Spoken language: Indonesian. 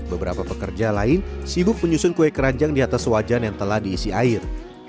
beberapa pekerja lain sibuk menyusun kue keranjang di atas wajan yang telah diisi air